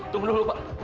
tunggu dulu pak